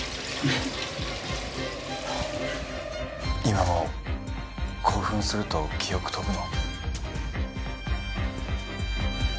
今も興奮すると記憶飛ぶの？